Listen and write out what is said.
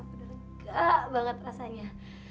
aku senang banget rasanya